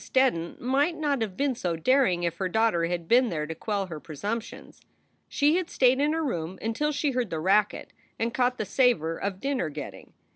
Steddon might not have been so daring if her daugh ter had been there to quell her presumptions. She had stayed in her room until she heard the racket and caught the savor of dinner getting.